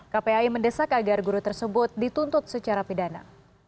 kpai mendesak agar guru tersebut dituntut secara pidana